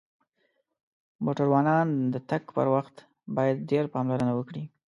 موټروانان د تک پر وخت باید ډیر پاملرنه وکړی